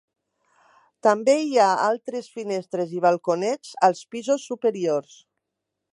També hi ha altres finestres i balconets als pisos superiors.